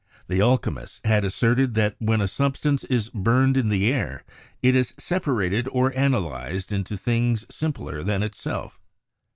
The alchemists had asserted that when a substance is burned in the air it is separated or analyzed into things simpler than itself.